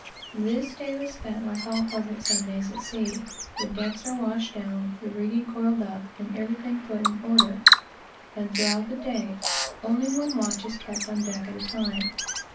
This day was spent like all pleasant Sabbaths at sea. The decks are washed down, the rigging coiled up, and everything put in order; and throughout the day, only one watch is kept on deck at a time.